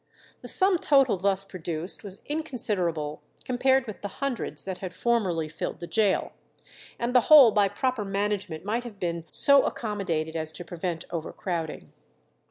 The sum total thus produced was inconsiderable compared with the hundreds that had formerly filled the gaol, and the whole by proper management might have been so accommodated as to prevent overcrowding.